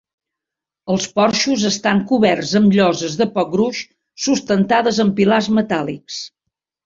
Els porxos estan coberts amb lloses de poc gruix sustentades amb pilars metàl·lics.